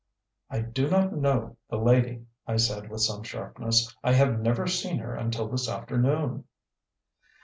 "I do not know the lady," I said with some sharpness. "I have never seen her until this afternoon."